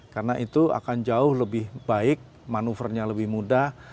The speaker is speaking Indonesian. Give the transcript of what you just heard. karena itu akan jauh lebih baik manuvernya lebih mudah